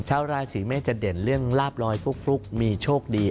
ชาวราศีเมษจะเด่นเรื่องลาบลอยฟลุกมีโชคดี